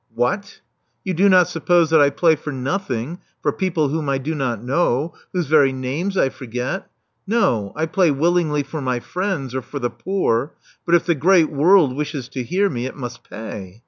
What! You do not suppose that I play for nothing for people whom I do not know — ^whose very names I forget. No, I play willingly for my friends, or for the poor; but if the great world wishes to hear me, it must pay.